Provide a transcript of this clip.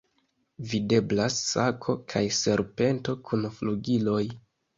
Videblas sako kaj serpento kun flugiloj.